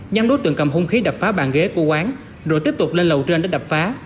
nhắm đối tượng cầm hung khí đập phá bàn ghế của quán rồi tiếp tục lên lầu trên để đập phá